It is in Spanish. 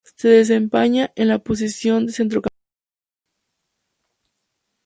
Se desempeña en la posición de centrocampista.